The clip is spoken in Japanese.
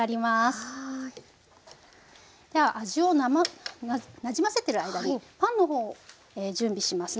では味をなじませている間にパンの方を準備しますね。